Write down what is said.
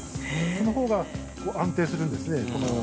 そのほうが安定するんですね。